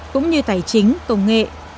cũng như tài chính công nghệ